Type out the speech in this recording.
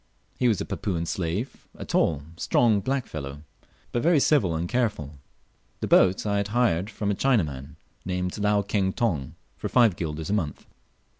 He was a Papuan slave, a tall, strong black fellow, but very civil and careful. The boat I had hired from a Chinaman named Lau Keng Tong, for five guilders a month.